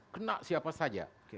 tidak siapa saja